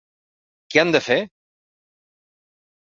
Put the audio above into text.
Què han de fer?